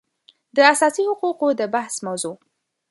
د اساسي حقوقو د بحث موضوع